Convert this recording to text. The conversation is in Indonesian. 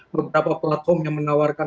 beberapa platform yang menawarkan